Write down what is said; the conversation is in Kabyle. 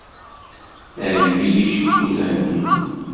Teɛjeb-iyi ccikula-nni.